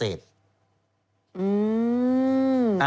อืม